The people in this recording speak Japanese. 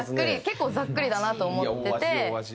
結構ざっくりだなと思ってて。